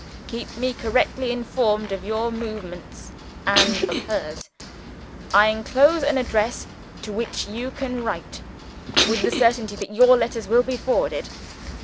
"Keep me correctly informed of your movements and of hers. I enclose an address to which you can write, with the certainty that your letters will be forwarded.